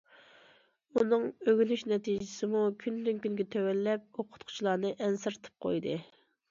ئۇنىڭ ئۆگىنىش نەتىجىسىمۇ كۈندىن- كۈنگە تۆۋەنلەپ، ئوقۇتقۇچىلارنى ئەنسىرىتىپ قويدى.